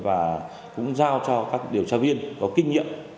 và cũng giao cho các điều tra viên có kinh nghiệm